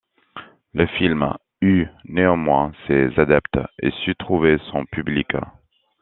Le film eut néanmoins ses adeptes et sut trouver son public.